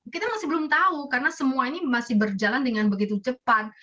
kita masih belum tahu karena semua ini masih berjalan dengan begitu cepat